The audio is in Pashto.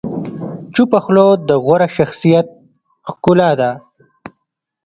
چپه خوله، د غوره شخصیت ښکلا ده.